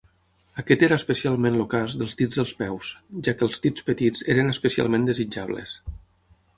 Aquest era especialment el cas dels dits dels peus, ja que els dits petits eren especialment desitjables.